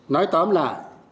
nói tóm lại